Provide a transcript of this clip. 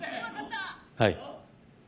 はい。